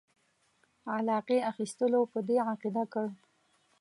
علاقې اخیستلو په دې عقیده کړ.